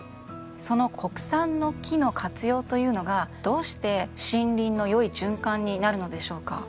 その国産の木の活用というのがどうして森林の良い循環になるのでしょうか？